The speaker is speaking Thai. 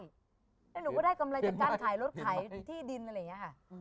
แล้วหนูก็ได้กำไรจากการขายรถขายที่ดินอะไรอย่างนี้ค่ะ